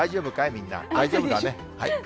みんな、大丈夫だね。